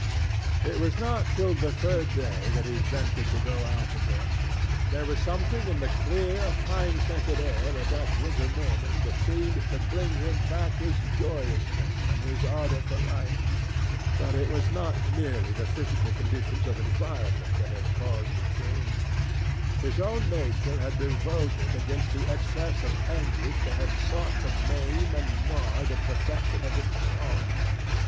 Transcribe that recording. It was not till the third day that he ventured to go out. There was something in the clear, pine scented air of that winter morning that seemed to bring him back his joyousness and his ardour for life. But it was not merely the physical conditions of environment that had caused the change. His own nature had revolted against the excess of anguish that had sought to maim and mar the perfection of its calm.